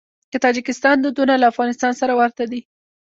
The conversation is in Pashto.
د تاجکستان دودونه له افغانستان سره ورته دي.